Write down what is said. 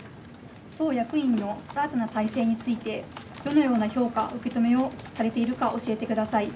党役員の新たな体制について、どのような評価、受け止めをされているか教えてください。